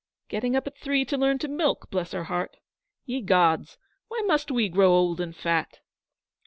'Getting up at three to learn to milk, bless her heart! Ye gods, why must we grow old and fat?'